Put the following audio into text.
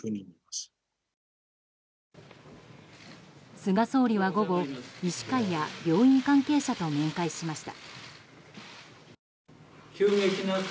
菅総理は午後、医師会や病院関係者と面会しました。